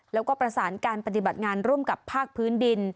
แล้วก็ประสานการปฏิบัติงานร่วมกับภาคพื้นดิน